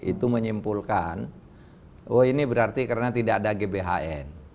itu menyimpulkan oh ini berarti karena tidak ada gbhn